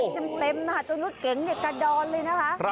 เต็มนะคะจนรถเก๋งกระดอนเลยนะคะ